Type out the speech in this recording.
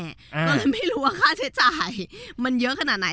ก็เลยไม่รู้ว่าค่าใช้จ่ายมันเยอะขนาดไหน